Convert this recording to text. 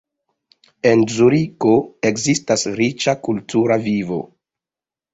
En Zuriko ekzistas riĉa kultura vivo.